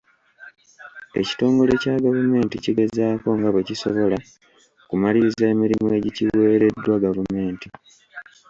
Ekitongole kya gavumenti kigezaako nga bwe kisobola kumaliriza emirimu egikiweereddwa gavumenti.